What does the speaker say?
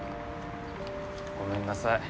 ごめんなさい。